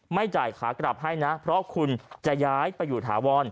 ไม่จ่ายขากลับให้นะเพราะคุณจะย้ายไปอยู่ถาวร